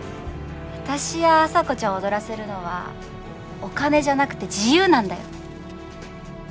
私や麻子ちゃんを躍らせるのはお金じゃなくて自由なんだよ。